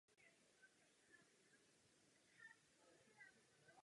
Firma byla založena Thomasem de la Rue v Londýně.